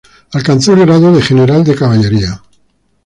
Alcanzó el grado de general de caballería.